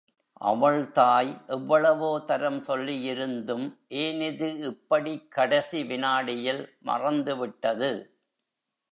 அவள் தாய் எவ்வளவோ தரம் சொல்லியிருந்தும் ஏன் இது இப்படிக் கடைசி விநாடியில் மறந்துவிட்டது!